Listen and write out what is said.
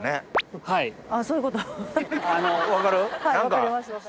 分かります。